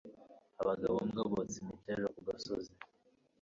Abagabo mbwa botsa imiteja kugasozi